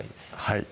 はい